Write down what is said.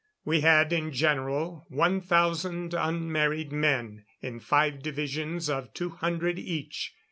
We had, in general, one thousand unmarried men, in five divisions of two hundred each.